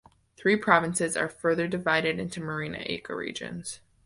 Three provinces are further divided into marine ecoregions.